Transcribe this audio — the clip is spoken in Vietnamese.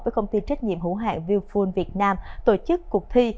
với công ty trách nhiệm hữu hạng viuful việt nam tổ chức cuộc thi